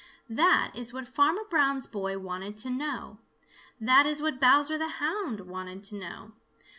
That is what Farmer Brown's boy wanted to know. That is what Bowser the Hound wanted to know.